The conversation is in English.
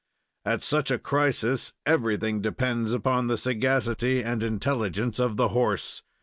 At such a crisis, everything depends upon the sagacity and intelligence of the horse.